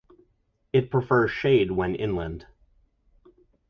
It prefers shade when inland.